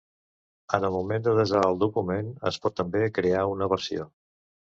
En el moment de desar el document es pot també crear una versió.